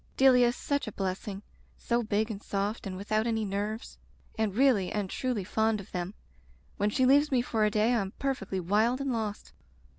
Delia is such a blessing. So big and soft and without any nerves, and really and truly fond of them. When she leaves me for a day I am perfectly wild and lost."